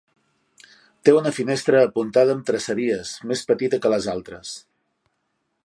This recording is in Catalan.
Té una finestra apuntada amb traceries, més petita que les altres.